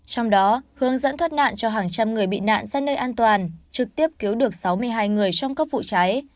trong đó hướng dẫn thoát nạn cho hàng trăm người bị nạn ra nơi an toàn trực tiếp cứu được sáu mươi hai người trong các vụ cháy